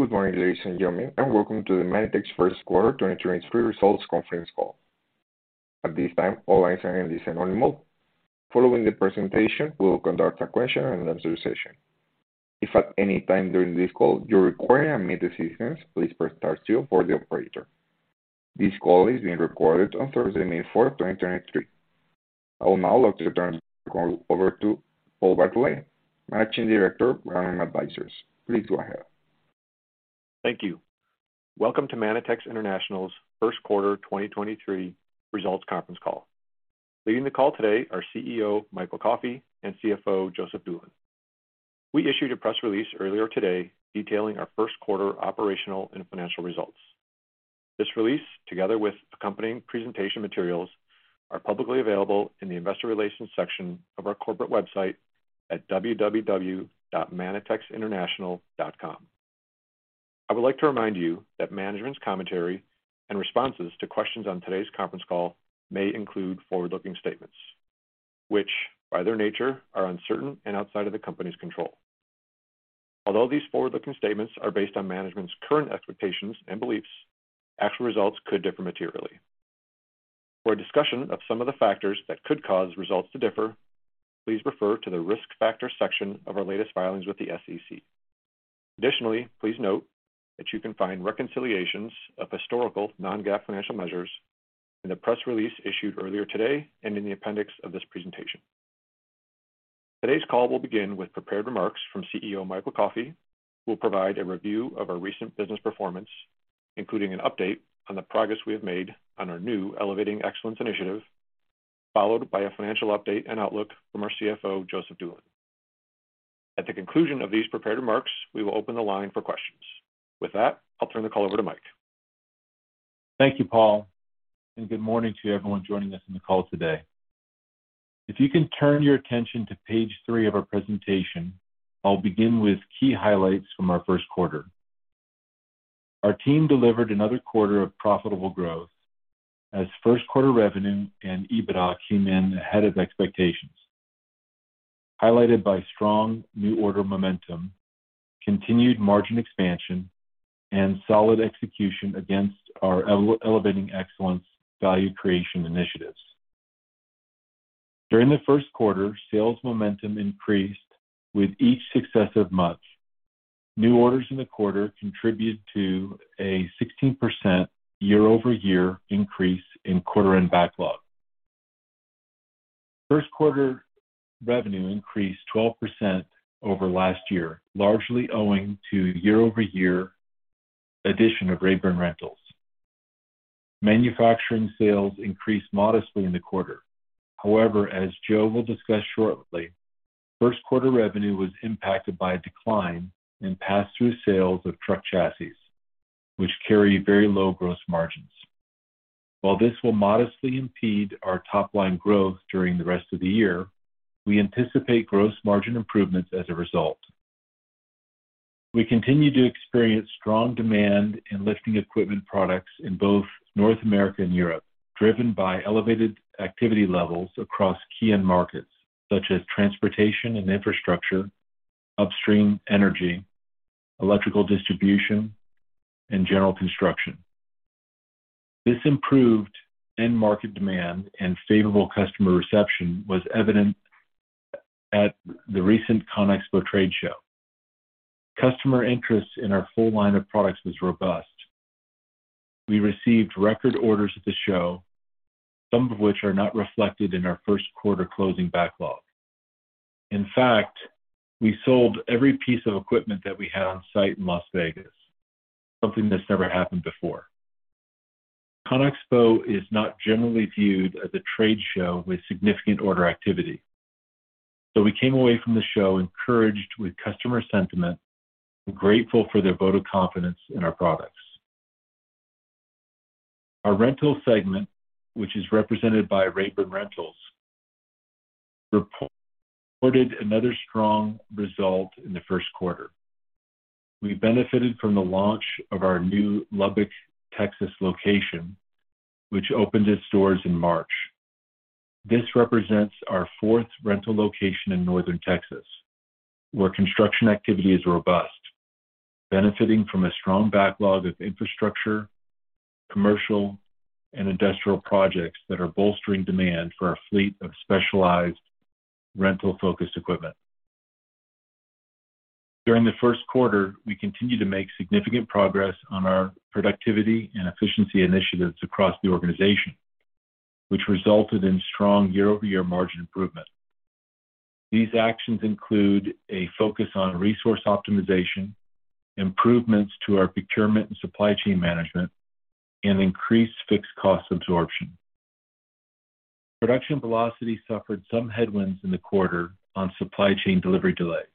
Good morning, ladies and gentlemen, and welcome to the Manitex Q1 2023 results conference call. At this time, all lines are in listen-only mode. Following the presentation, we will conduct a question and answer session. If at any time during this call you require any assistance, please press star two for the operator. This call is being recorded on Thursday, May 4th, 2023. I will now love to turn the call over to Paul Bartole, Managing Director, Vallum Advisors. Please go ahead. Thank you. Welcome to Manitex International's Q1 2023 results conference call. Leading the call today are CEO Michael Coffey and CFO Joseph Doolin. We issued a press release earlier today detailing our Q1 operational and financial results. This release, together with accompanying presentation materials, are publicly available in the investor relations section of our corporate website at www.manitexinternational.com. I would like to remind you that management's commentary and responses to questions on today's conference call may include forward-looking statements, which by their nature are uncertain and outside of the company's control. Although these forward-looking statements are based on management's current expectations and beliefs, actual results could differ materially. For a discussion of some of the factors that could cause results to differ, please refer to the Risk Factors section of our latest filings with the SEC. Please note that you can find reconciliations of historical non-GAAP financial measures in the press release issued earlier today and in the appendix of this presentation. Today's call will begin with prepared remarks from CEO Michael Coffey, who will provide a review of our recent business performance, including an update on the progress we have made on our new Elevating Excellence initiative, followed by a financial update and outlook from our CFO, Joseph Doolin. At the conclusion of these prepared remarks, we will open the line for questions. I'll turn the call over to Mike. Thank you, Paul, and good morning to everyone joining us on the call today. If you can turn your attention to page three of our presentation, I'll begin with key highlights from our Q1. Our team delivered another quarter of profitable growth as Q1 revenue and EBITDA came in ahead of expectations, highlighted by strong new order momentum, continued margin expansion, and solid execution against our Elevating Excellence value creation initiatives. During the Q1, sales momentum increased with each successive month. New orders in the quarter contributed to a 16% year-over-year increase in quarter-end backlog. Q1 revenue increased 12% over last year, largely owing to year-over-year addition of Rabern Rentals. Manufacturing sales increased modestly in the quarter. However, as Joe will discuss shortly, Q1 revenue was impacted by a decline in passthrough sales of truck chassis, which carry very low gross margins. While this will modestly impede our top-line growth during the rest of the year, we anticipate gross margin improvements as a result. We continue to experience strong demand in lifting equipment products in both North America and Europe, driven by elevated activity levels across key end markets such as transportation and infrastructure, upstream energy, electrical distribution, and general construction. This improved end market demand and favorable customer reception was evident at the recent Conexpo trade show. Customer interest in our full line of products was robust. We received record orders at the show, some of which are not reflected in our Q1 closing backlog. In fact, we sold every piece of equipment that we had on site in Las Vegas, something that's never happened before. Conexpo is not generally viewed as a trade show with significant order activity. We came away from the show encouraged with customer sentiment and grateful for their vote of confidence in our products. Our rental segment, which is represented by Rabern Rentals, reported another strong result in the Q1. We benefited from the launch of our new Lubbock, Texas location, which opened its doors in March. This represents our 4th rental location in northern Texas, where construction activity is robust, benefiting from a strong backlog of infrastructure, commercial, and industrial projects that are bolstering demand for our fleet of specialized rental-focused equipment. During the Q1, we continued to make significant progress on our productivity and efficiency initiatives across the organization, which resulted in strong year-over-year margin improvement. These actions include a focus on resource optimization, improvements to our procurement and supply chain management, and increased fixed cost absorption. Production velocity suffered some headwinds in the quarter on supply chain delivery delays.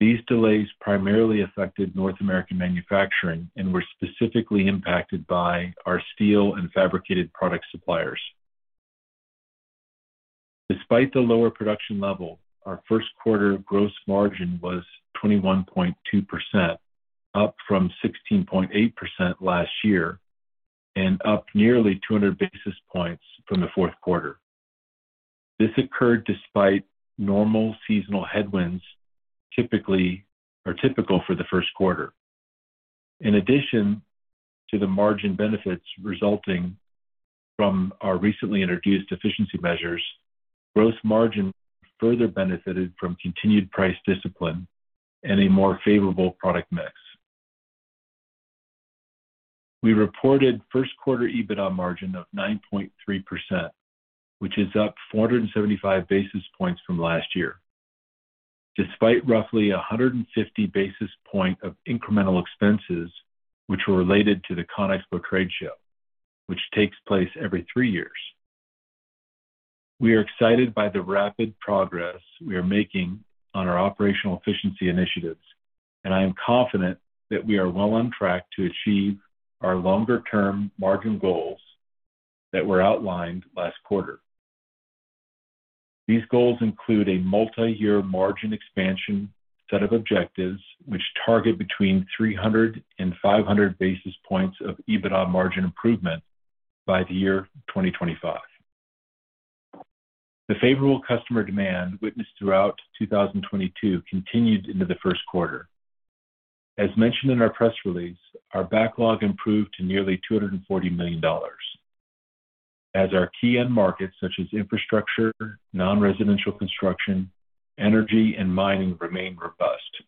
These delays primarily affected North American manufacturing and were specifically impacted by our steel and fabricated product suppliers. Despite the lower production level, our Q1 gross margin was 21.2%, up from 16.8% last year and up nearly 200 basis points from the fourth quarter. This occurred despite normal seasonal headwinds typical for the Q1. In addition to the margin benefits resulting from our recently introduced efficiency measures, gross margin further benefited from continued price discipline and a more favorable product mix. We reported Q1 EBITDA margin of 9.3%, which is up 475 basis points from last year, despite roughly 150 basis point of incremental expenses which were related to the Conexpo trade show, which takes place every three years. We are excited by the rapid progress we are making on our operational efficiency initiatives, I am confident that we are well on track to achieve our longer term margin goals that were outlined last quarter. These goals include a multi-year margin expansion set of objectives which target between 300-500 basis points of EBITDA margin improvement by the year 2025. The favorable customer demand witnessed throughout 2022 continued into the Q1. As mentioned in our press release, our backlog improved to nearly $240 million as our key end markets such as infrastructure, non-residential construction, energy and mining remain robust.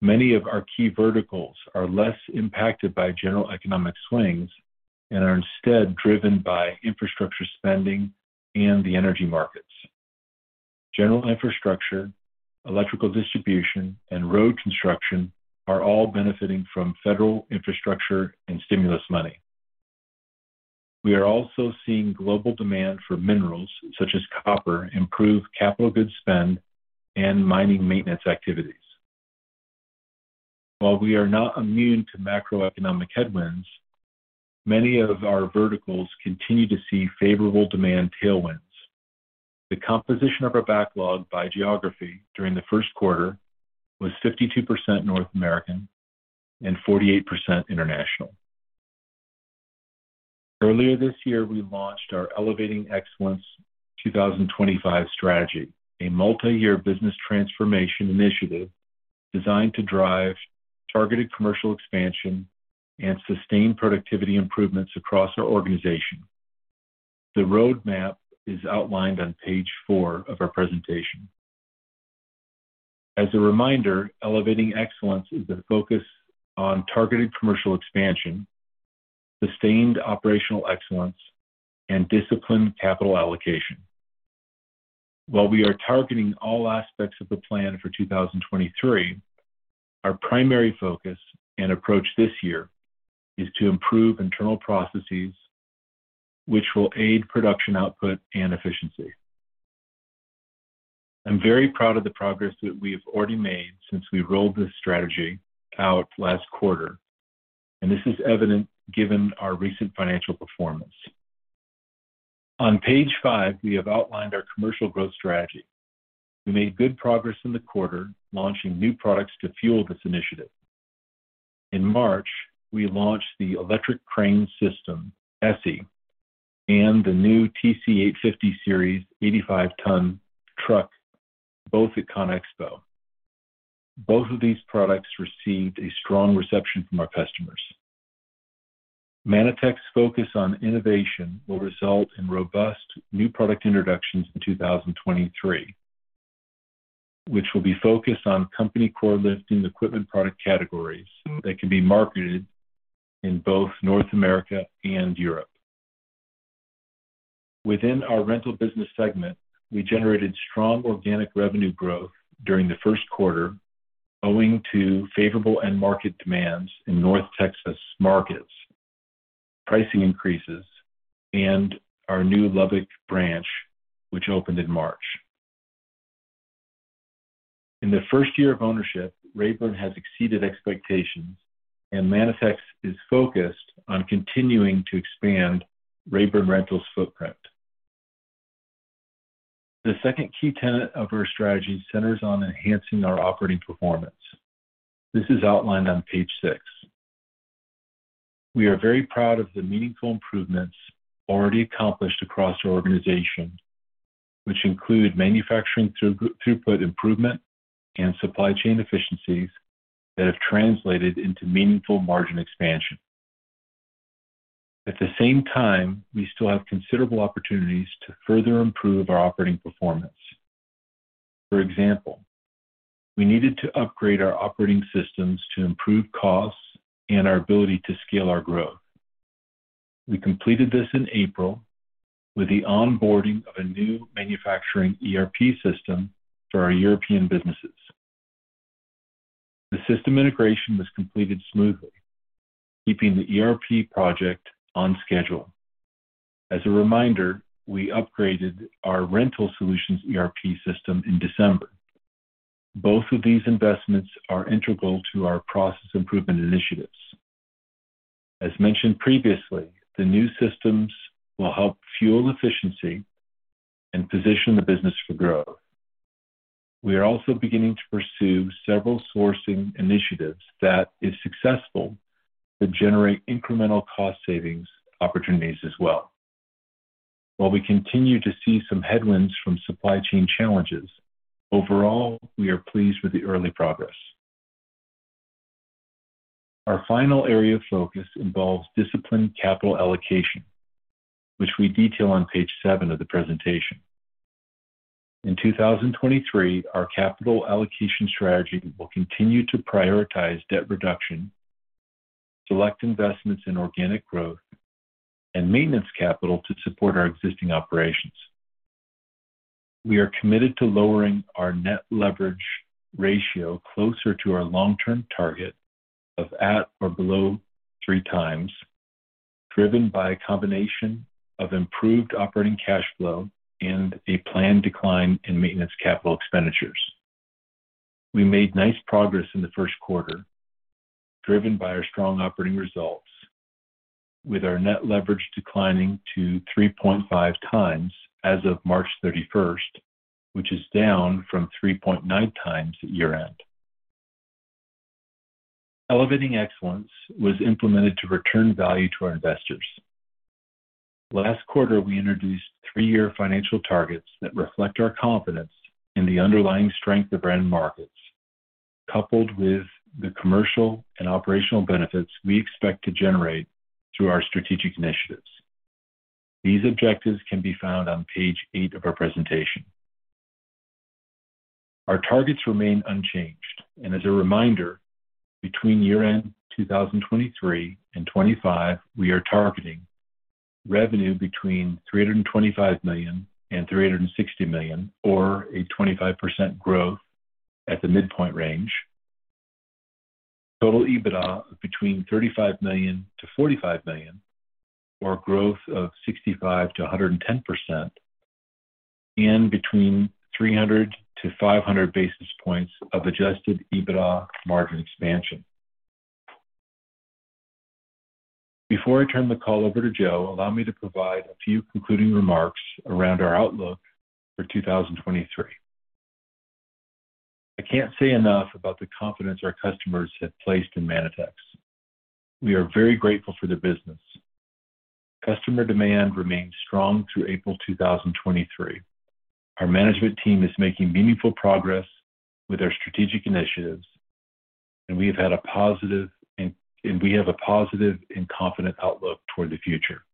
Many of our key verticals are less impacted by general economic swings and are instead driven by infrastructure spending and the energy markets. General infrastructure, electrical distribution, and road construction are all benefiting from federal infrastructure and stimulus money. We are also seeing global demand for minerals such as copper, improved capital goods spend, and mining maintenance activities. While we are not immune to macroeconomic headwinds, many of our verticals continue to see favorable demand tailwinds. The composition of our backlog by geography during the Q1 was 52% North American and 48% international. Earlier this year, we launched our Elevating Excellence 2025 strategy, a multi-year business transformation initiative designed to drive targeted commercial expansion and sustained productivity improvements across our organization. The roadmap is outlined on page four of our presentation. As a reminder, Elevating Excellence is the focus on targeted commercial expansion, sustained operational excellence, and disciplined capital allocation. While we are targeting all aspects of the plan for 2023, our primary focus and approach this year is to improve internal processes which will aid production output and efficiency. I'm very proud of the progress that we have already made since we rolled this strategy out last quarter. This is evident given our recent financial performance. On page five, we have outlined our commercial growth strategy. We made good progress in the quarter, launching new products to fuel this initiative. In March, we launched the electric crane system, ECSY, and the new TC850 Series 85 ton truck, both at Conexpo. Both of these products received a strong reception from our customers. Manitex's focus on innovation will result in robust new product introductions in 2023, which will be focused on company core lifting equipment product categories that can be marketed in both North America and Europe. Within our rental business segment, we generated strong organic revenue growth during the 1st quarter, owing to favorable end market demands in North Texas markets, pricing increases, and our new Lubbock branch, which opened in March. In the 1st year of ownership, Rabern has exceeded expectations, and Manitex is focused on continuing to expand Rabern Rentals' footprint. The 2nd key tenet of our strategy centers on enhancing our operating performance. This is outlined on page six. We are very proud of the meaningful improvements already accomplished across our organization, which include manufacturing throughput improvement and supply chain efficiencies that have translated into meaningful margin expansion. We still have considerable opportunities to further improve our operating performance. For example, we needed to upgrade our operating systems to improve costs and our ability to scale our growth. We completed this in April with the onboarding of a new manufacturing ERP system for our European businesses. The system integration was completed smoothly, keeping the ERP project on schedule. As a reminder, we upgraded our rental solutions ERP system in December. Both of these investments are integral to our process improvement initiatives. As mentioned previously, the new systems will help fuel efficiency and position the business for growth. We are also beginning to pursue several sourcing initiatives that, if successful, could generate incremental cost savings opportunities as well. We continue to see some headwinds from supply chain challenges, overall, we are pleased with the early progress. Our final area of focus involves disciplined capital allocation, which we detail on page seven of the presentation. In 2023, our capital allocation strategy will continue to prioritize debt reduction, select investments in organic growth, and maintenance capital to support our existing operations. We are committed to lowering our net leverage ratio closer to our long-term target of at or below 3x, driven by a combination of improved operating cash flow and a planned decline in maintenance capital expenditures. We made nice progress in the Q1, driven by our strong operating results with our net leverage declining to 3.5x as of March 31st, which is down from 3.9x at year-end. Elevating Excellence was implemented to return value to our investors. Last quarter, we introduced 3-year financial targets that reflect our confidence in the underlying strength of end markets, coupled with the commercial and operational benefits we expect to generate through our strategic initiatives. These objectives can be found on page 8 of our presentation. Our targets remain unchanged. As a reminder, between year-end 2023 and 2025, we are targeting revenue between $325 million and $360 million or a 25% growth at the midpoint range. Total EBITDA between $35-$45 million, or growth of 65%-110%. Between 300-500 basis points of adjusted EBITDA margin expansion. Before I turn the call over to Joe, allow me to provide a few concluding remarks around our outlook for 2023. I can't say enough about the confidence our customers have placed in Manitex. We are very grateful for their business. Customer demand remains strong through April 2023. Our management team is making meaningful progress with our strategic initiatives, and we have a positive and confident outlook toward the future.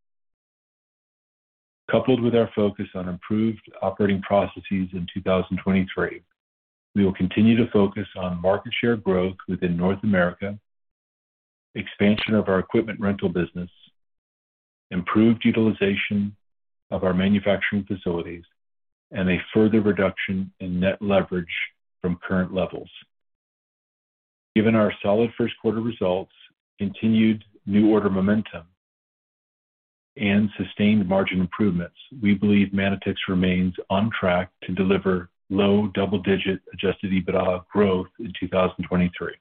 Coupled with our focus on improved operating processes in 2023, we will continue to focus on market share growth within North America, expansion of our equipment rental business, improved utilization of our manufacturing facilities, and a further reduction in net leverage from current levels. Given our solid Q1 results, continued new order momentum, and sustained margin improvements, we believe Manitex remains on track to deliver low double-digit adjusted EBITDA growth in 2023.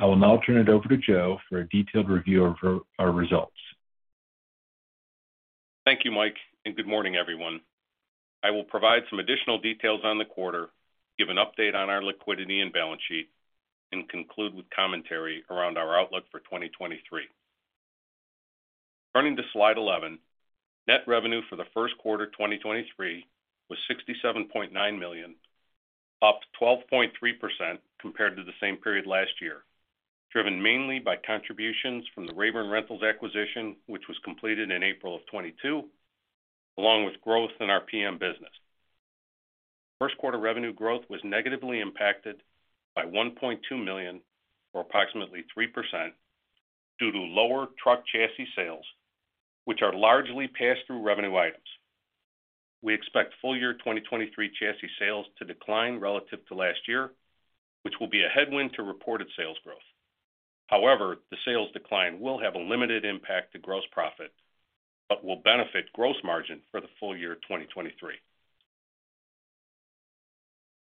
I will now turn it over to Joe for a detailed review of our results. Thank you, Mike. Good morning, everyone. I will provide some additional details on the quarter, give an update on our liquidity and balance sheet, and conclude with commentary around our outlook for 2023. Turning to slide 11. Net revenue for the Q1 2023 was $67.9 million, up 12.3% compared to the same period last year, driven mainly by contributions from the Rabern Rentals acquisition, which was completed in April of 2022, along with growth in our PM business. Q1 revenue growth was negatively impacted by $1.2 million, or approximately 3%, due to lower truck chassis sales, which are largely passed through revenue items. We expect full year 2023 chassis sales to decline relative to last year, which will be a headwind to reported sales growth. The sales decline will have a limited impact to gross profit but will benefit gross margin for the full year 2023.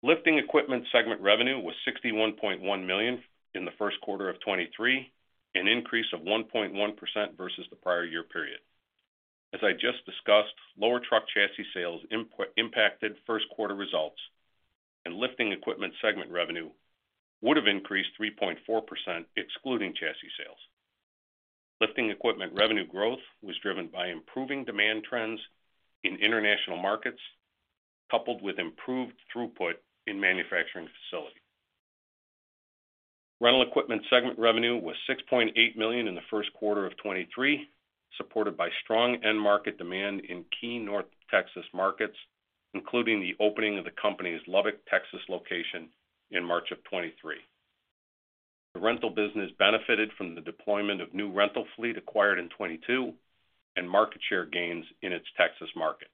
Lifting equipment segment revenue was $61.1 million in the Q1 of 2023, an increase of 1.1% versus the prior year period. As I just discussed, lower truck chassis sales input impacted Q1 results, lifting equipment segment revenue would have increased 3.4% excluding chassis sales. Lifting equipment revenue growth was driven by improving demand trends in international markets, coupled with improved throughput in manufacturing facility. Rental equipment segment revenue was $6.8 million in the Q1 of 2023, supported by strong end market demand in key North Texas markets, including the opening of the company's Lubbock, Texas location in March of 2023. The rental business benefited from the deployment of new rental fleet acquired in 2022 and market share gains in its Texas market.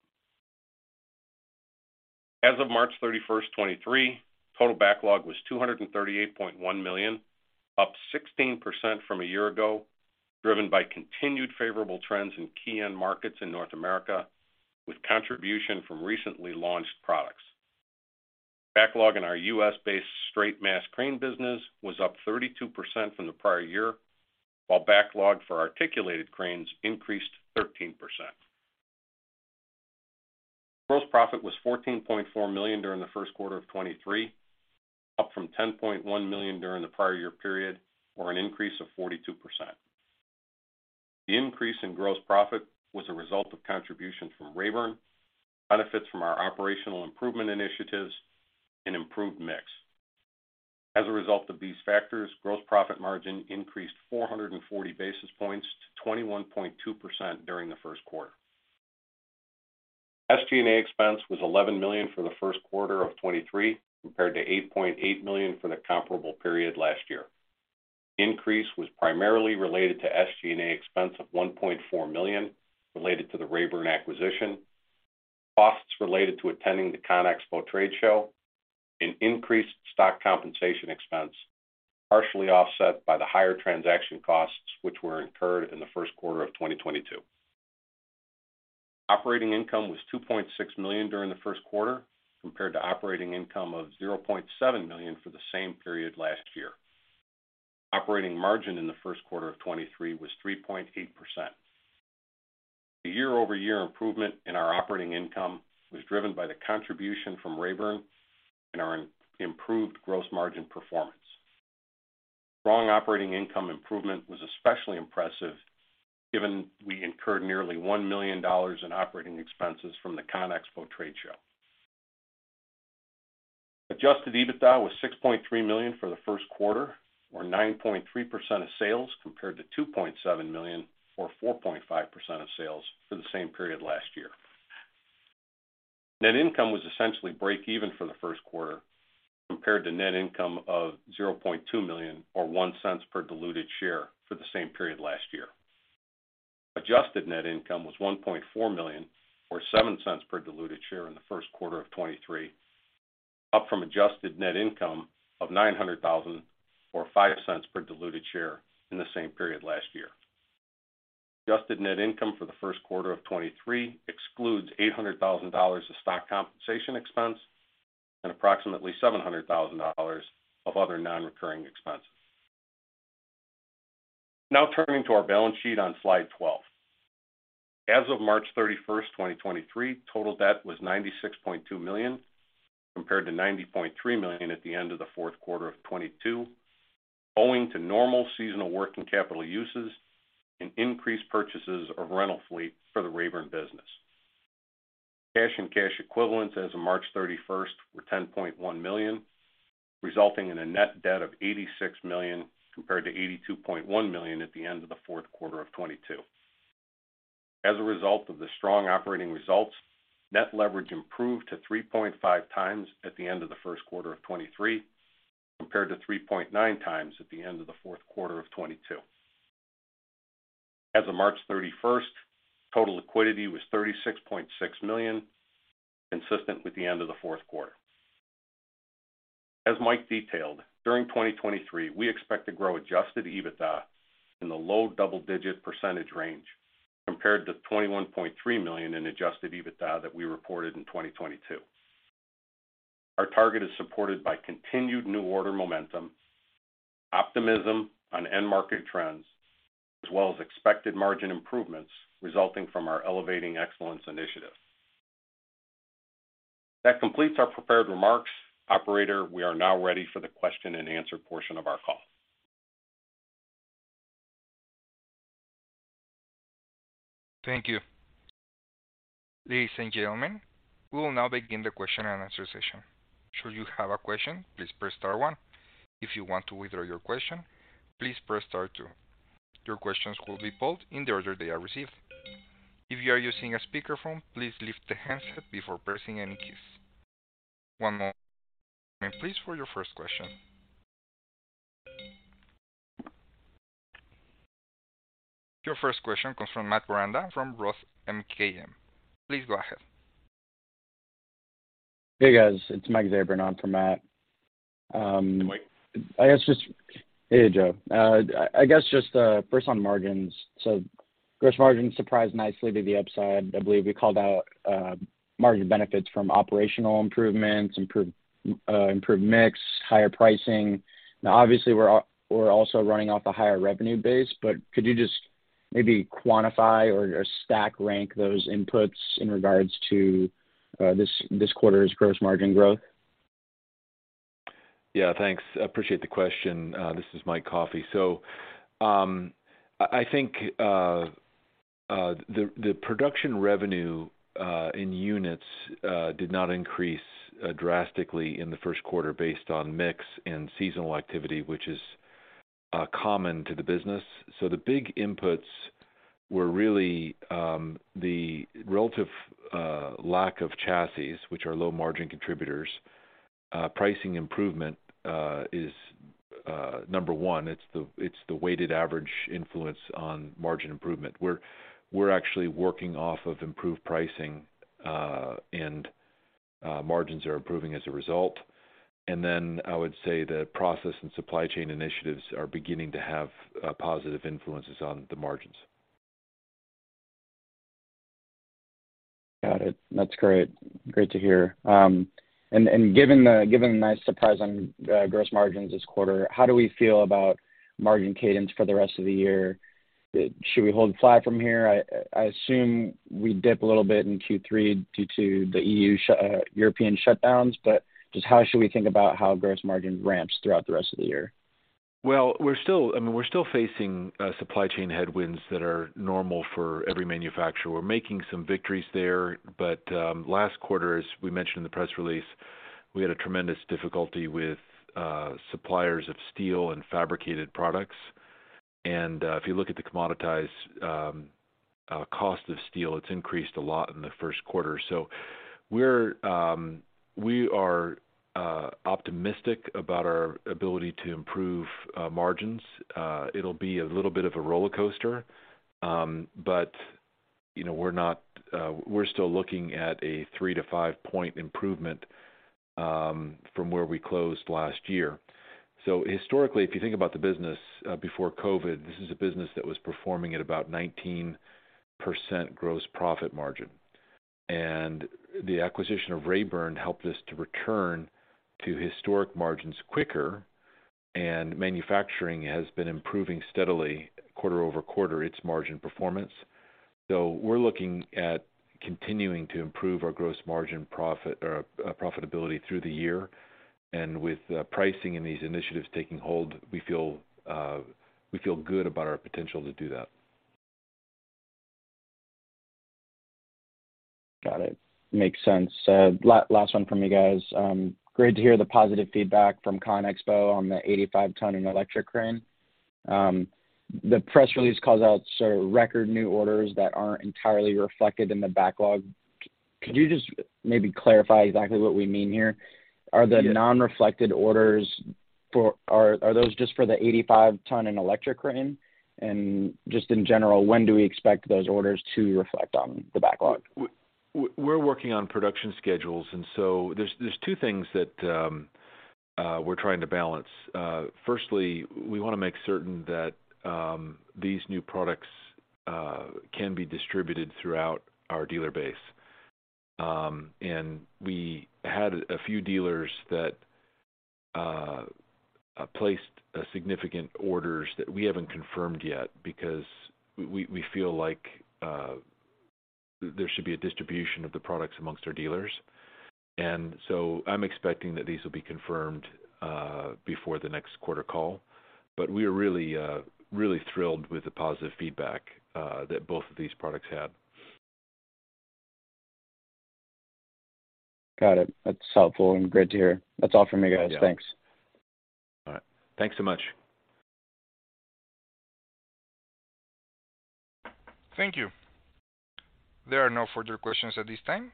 As of March 31st, 2023, total backlog was $238.1 million, up 16% from a year ago, driven by continued favorable trends in key end markets in North America with contribution from recently launched products. Backlog in our U.S.-based straight mast crane business was up 32% from the prior year. Backlog for articulated cranes increased 13%. Gross profit was $14.4 million during the Q1 of 2023, up from $10.1 million during the prior year period, or an increase of 42%. The increase in gross profit was a result of contributions from Rabern, benefits from our operational improvement initiatives and improved mix. As a result of these factors, gross profit margin increased 440 basis points to 21.2% during the Q1. SG&A expense was $11 million for the Q1 of 2023, compared to $8.8 million for the comparable period last year. Increase was primarily related to SG&A expense of $1.4 million related to the Rabern acquisition, costs related to attending the Conexpo trade show, and increased stock compensation expense, partially offset by the higher transaction costs which were incurred in the Q1 of 2022. Operating income was $2.6 million during the Q1, compared to operating income of $0.7 million for the same period last year. Operating margin in the Q1 of 2023 was 3.8%. The year-over-year improvement in our operating income was driven by the contribution from Rabern and our improved gross margin performance. Strong operating income improvement was especially impressive given we incurred nearly $1 million in operating expenses from the Conexpo trade show. Adjusted EBITDA was $6.3 million for the Q1 or 9.3% of sales compared to $2.7 million or 4.5% of sales for the same period last year. Net income was essentially break even for the Q1 compared to net income of $0.2 million or $0.01 per diluted share for the same period last year. Adjusted net income was $1.4 million or $0.07 per diluted share in the Q1 of 2023, up from adjusted net income of $900,000 or $0.05 per diluted share in the same period last year. Adjusted net income for the Q1 of 2023 excludes $800,000 of stock compensation expense and approximately $700,000 of other non-recurring expenses. Now turning to our balance sheet on slide 12. As of March 31, 2023, total debt was $96.2 million, compared to $90.3 million at the end of the fourth quarter of 2022, owing to normal seasonal working capital uses and increased purchases of rental fleet for the Rabern business. Cash and cash equivalents as of March 31st were $10.1 million, resulting in a net debt of $86 million compared to $82.1 million at the end of the fourth quarter of 2022. As a result of the strong operating results, net leverage improved to 3.5x at the end of the Q1 of 2023 compared to 3.9x at the end of the fourth quarter of 2022. As of March 31st, total liquidity was $36.6 million, consistent with the end of the fourth quarter. As Mike detailed, during 2023, we expect to grow adjusted EBITDA in the low double-digit % range compared to $21.3 million in adjusted EBITDA that we reported in 2022. Our target is supported by continued new order momentum, optimism on end market trends, as well as expected margin improvements resulting from our Elevating Excellence initiative. That completes our prepared remarks. Operator, we are now ready for the question-and-answer portion of our call. Thank you. Ladies and gentlemen, we will now begin the question-and-answer session. Should you have a question, please press star one. If you want to withdraw your question, please press star two. Your questions will be pulled in the order they are received. If you are using a speakerphone, please lift the handset before pressing any keys. One moment, please, for your first question. Your first question comes from Matt Koranda from ROTH MKM. Please go ahead. Hey, guys. It's Matt Koranda from Matt. Hey, Mike. I guess just Hey, Joe. I guess just first on margins. Gross margin surprised nicely to the upside. I believe we called out margin benefits from operational improvements, improved mix, higher pricing. Now, obviously, we're also running off a higher revenue base, but could you just maybe quantify or stack rank those inputs in regards to this quarter's gross margin growth? Yeah. Thanks. I appreciate the question. This is Michael Coffey. I think the production revenue in units did not increase drastically in the Q1 based on mix and seasonal activity, which is common to the business. The big inputs were really the relative lack of chassis, which are low margin contributors. Pricing improvement is number one. It's the weighted average influence on margin improvement. We're actually working off of improved pricing, and margins are improving as a result. I would say the process and supply chain initiatives are beginning to have positive influences on the margins. Got it. That's great. Great to hear. Given the nice surprise on gross margins this quarter, how do we feel about margin cadence for the rest of the year? Should we hold flat from here? I assume we dip a little bit in Q3 due to the European shutdowns, but just how should we think about how gross margin ramps throughout the rest of the year? Well, I mean, we're still facing supply chain headwinds that are normal for every manufacturer. We're making some victories there, but last quarter, as we mentioned in the press release, we had a tremendous difficulty with suppliers of steel and fabricated products. If you look at the commoditized cost of steel, it's increased a lot in the Q1. We are optimistic about our ability to improve margins. It'll be a little bit of a rollercoaster. But, you know, we're not, we're still looking at a 3-5 point improvement from where we closed last year. Historically, if you think about the business before COVID, this is a business that was performing at about 19% gross profit margin. The acquisition of Rabern helped us to return to historic margins quicker, and manufacturing has been improving steadily quarter-over-quarter its margin performance. We're looking at continuing to improve our gross margin profit, profitability through the year. With pricing and these initiatives taking hold, we feel good about our potential to do that. Got it. Makes sense. Last one from you guys. Great to hear the positive feedback from Conexpo on the 85 ton in electric crane. The press release calls out sort of record new orders that aren't entirely reflected in the backlog. Could you just maybe clarify exactly what we mean here? Are the non-reflected orders for... Are those just for the 85 ton in electric crane? Just in general, when do we expect those orders to reflect on the backlog? We're working on production schedules, there's two things that we're trying to balance. Firstly, we want to make certain that these new products can be distributed throughout our dealer base. We had a few dealers that placed significant orders that we haven't confirmed yet because we feel like there should be a distribution of the products amongst our dealers. I'm expecting that these will be confirmed before the next quarter call. We are really thrilled with the positive feedback that both of these products had. Got it. That's helpful and great to hear. That's all from me, guys. Yeah. Thanks. All right. Thanks so much. Thank you. There are no further questions at this time.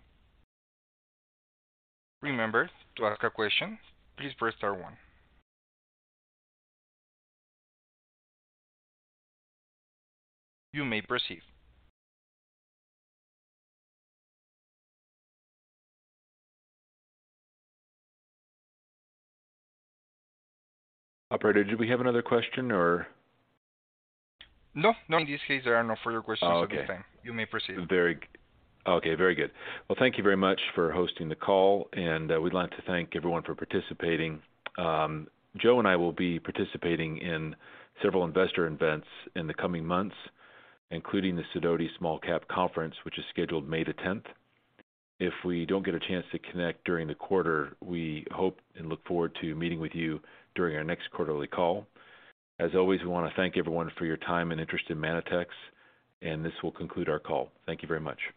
Remember, to ask a question, please press star one. You may proceed. Operator, do we have another question or? No. No. In this case, there are no further questions at this time. Okay. You may proceed. Very good. Well, thank you very much for hosting the call, and we'd like to thank everyone for participating. Joe and I will be participating in several investor events in the coming months, including the Sidoti Small Cap Conference, which is scheduled May the 10th. If we don't get a chance to connect during the quarter, we hope and look forward to meeting with you during our next quarterly call. As always, we wanna thank everyone for your time and interest in Manitex, and this will conclude our call. Thank you very much.